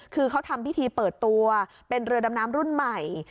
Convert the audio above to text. คือเขาทำพิธีเปิดตัวเป็นเรือดำน้ำรุ่นใหม่